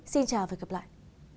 xin chào và gặp lại